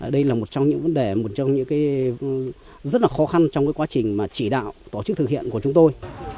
đây là một trong những vấn đề một trong những cái rất là khó khăn trong quá trình mà chỉ đạo tổ chức thực hiện của chúng tôi